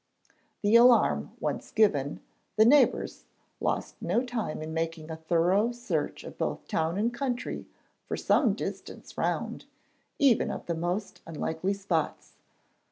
The alarm once given, the neighbours lost no time in making a thorough search of both town and country for some distance round, even of the most unlikely spots.